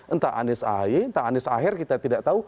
entah anis ahi entah anis ahr kita tidak tahu